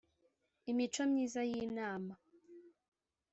imico myiza y inama